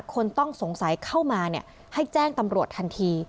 คนต้องสงสัยเข้ามาให้แจ้งตำรวจทันที